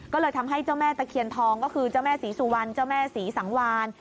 ก็เลยทำให้เจ้าแม่ตะเคียนทองก็คือเจ้าแม่ศรีสุวรรณเจ้าแม่ศรีสังวาน